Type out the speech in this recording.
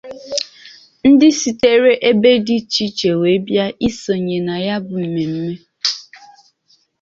ndị sitekwara ebe dị iche iche wee bịa isònyè na ya bụ mmemme.